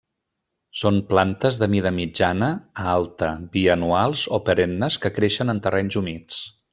Són plantes de mida mitjana a alta, bianuals o perennes que creixen en terrenys humits.